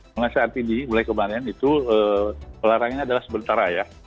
pengasiat ini mulai kemarin itu ee pelarangannya adalah sementara ya